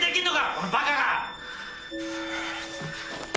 このバカが！